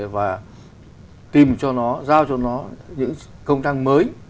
và tìm cho nó giao cho nó những công năng mới